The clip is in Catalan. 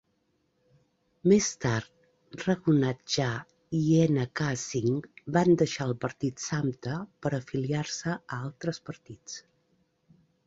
Més tard, Raghunath Jha i N. K. Singh van deixar el partit Samta per afiliar-se a altres partits.